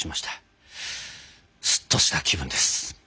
すっとした気分です。